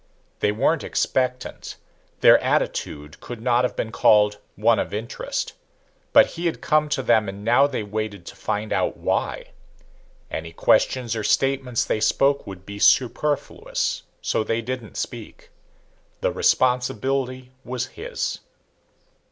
They weren't expectant, their attitude could not have been called one of interest. But he had come to them and now they waited to find out why. Any questions or statements they spoke would be superfluous, so they didn't speak. The responsibility was his.